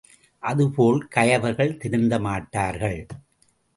அதுபோல் கயவர்கள் திருந்த மாட்டார்கள்.